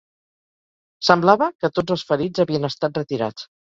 Semblava que tots els ferits havien estat retirats